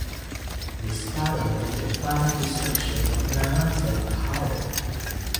This battle led to the final destruction of Maratha power.